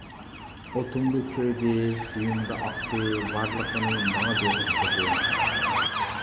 ئوتۇمدا كۆيدى، سۈيۈمدە ئاقتى، بارلىقىنى ماڭا بېغىشلىدى.